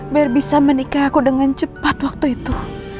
biar bisa menikah aku dengan cepat waktu itu